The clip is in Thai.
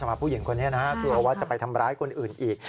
ผู้หญิงคนนี้นะฮะกลัวว่าจะไปทำร้ายคนอื่นอีก